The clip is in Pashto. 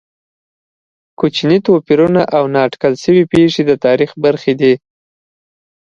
کوچني توپیرونه او نا اټکل شوې پېښې د تاریخ برخې دي.